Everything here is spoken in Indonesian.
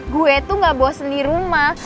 gue itu gak bosen di rumah